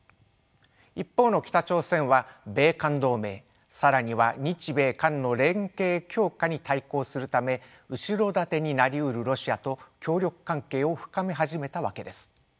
一方の北朝鮮は米韓同盟更には日米韓の連携強化に対抗するため後ろ盾になりうるロシアと協力関係を深め始めたわけです。